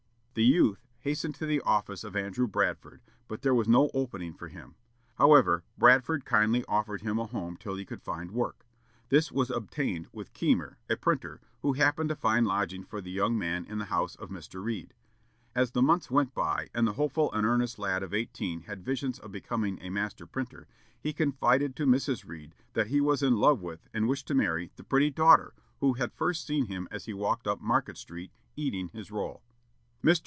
The youth hastened to the office of Andrew Bradford, but there was no opening for him. However, Bradford kindly offered him a home till he could find work. This was obtained with Keimer, a printer, who happened to find lodging for the young man in the house of Mr. Read. As the months went by, and the hopeful and earnest lad of eighteen had visions of becoming a master printer, he confided to Mrs. Read that he was in love with, and wished to marry, the pretty daughter, who had first seen him as he walked up Market Street, eating his roll. Mr.